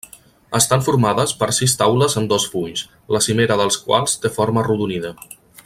Estan formades per sis taules en dos fulls, la cimera dels quals té forma arrodonida.